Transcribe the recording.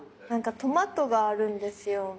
なんかトマトがあるんですよ。